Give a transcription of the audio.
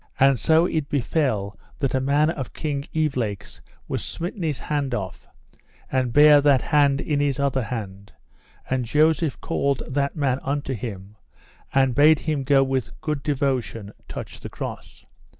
And so it befell that a man of King Evelake's was smitten his hand off, and bare that hand in his other hand; and Joseph called that man unto him and bade him go with good devotion touch the Cross.